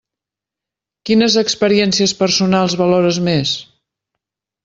Quines experiències personals valores més?